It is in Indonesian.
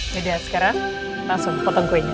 sudah sekarang langsung potong kuenya